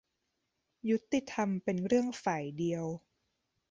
ยุติธรรมเป็นเรื่องฝ่ายเดียว ?